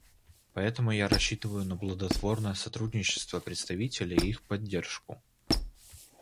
Поэтому я рассчитываю на плодотворное сотрудничество представителей и их поддержку.